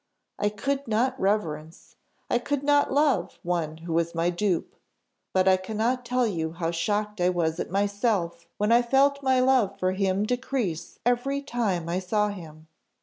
I could not reverence I could not love one who was my dupe. But I cannot tell you how shocked I was at myself when I felt my love for him decrease every time I saw him.